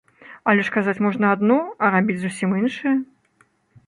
Але ж казаць можна адно, а рабіць зусім іншае.